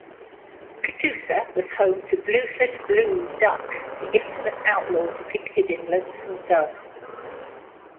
Catoosa was home to Bluford "Blue" Duck, the infamous outlaw depicted in "Lonesome Dove".